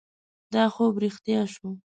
دا خوب رښتیا شو.